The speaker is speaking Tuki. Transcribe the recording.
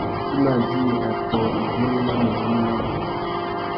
I mà djï atõh igunú na nuyumu nabú.